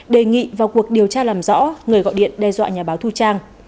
đề nghị vào cuộc điều tra làm rõ người gọi điện đe dọa nhà báo thu trang